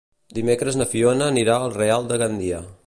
Dimecres na Fiona anirà al Real de Gandia.